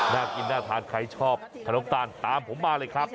น่ากินน่าทานใครชอบขนมตาลตามผมมาเลยครับ